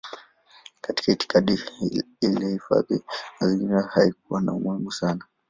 Katika itikadi ile hifadhi ya mazingira haikuwa na umuhimu sana.